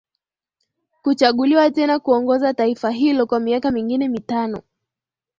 kuchaguliwa tena kuongoza taifa hilo kwa miaka mingine mitano